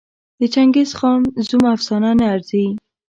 د چنګېزخان زوم افسانه نه ارزي.